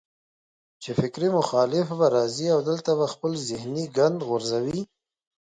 چې فکري مخالف به راځي او دلته به خپل ذهني ګند غورځوي